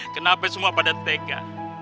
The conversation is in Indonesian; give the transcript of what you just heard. kenapa semua pada tega